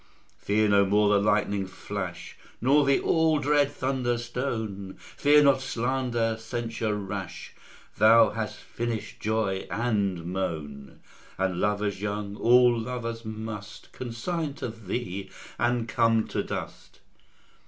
Fear no more the lightning flash, Nor the all dread thunder stone; Fear not slander, censure rash; Thou hast finished joy and moan; All lovers young, all lovers must Consign to thee, and come to dust.